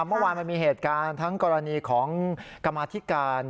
เมื่อวานมันมีเหตุการณ์ทั้งกรณีของกรรมาธิการ